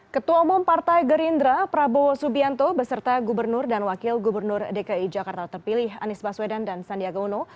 ketua umum partai gerindra prabowo subianto beserta gubernur dan wakil gubernur dki jakarta terpilih anies baswedan dan sandiaga uno